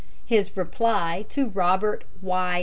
His reply to Robert Y.